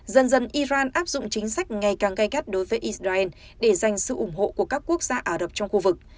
dần dần iran áp dụng chính sách ngày càng gay cắt đối với israel để giành sự ủng hộ của các quốc gia ả rập trong khu vực